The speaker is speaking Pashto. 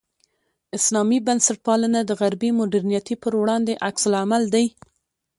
اسلامي بنسټپالنه د غربي مډرنیتې پر وړاندې عکس العمل دی.